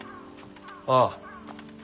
ああ。